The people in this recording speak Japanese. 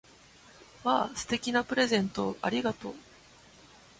わぁ！素敵なプレゼントをありがとう！